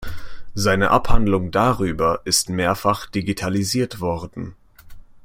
Seine Abhandlung darüber ist mehrfach digitalisiert worden.